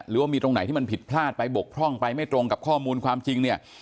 หรือว่ามีตรงไหนที่มันผิดพลาดไปบกพร่องไปไม่ตรงกับข้อมูลความจริงเนี่ย